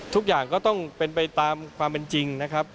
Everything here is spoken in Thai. ทุกอย่างก็ต้องเป็นไปตามความเป็นจริงนะครับ